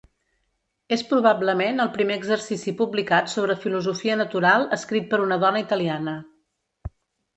És probablement el primer exercici publicat sobre filosofia natural escrit per una dona italiana.